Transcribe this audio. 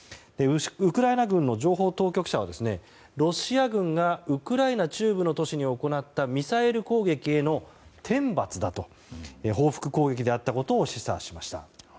ウクライナ軍の情報当局者はロシア軍がウクライナ中部の都市に行ったミサイル攻撃への天罰だと報復攻撃であったことを示唆しました。